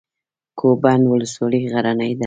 کوه بند ولسوالۍ غرنۍ ده؟